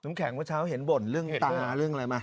แข็งเมื่อเช้าเห็นบ่นเรื่องตาเรื่องอะไรมา